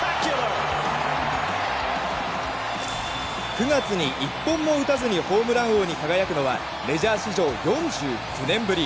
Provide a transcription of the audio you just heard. ９月に１本も打たずにホームラン王に輝くのはメジャー史上４９年ぶり。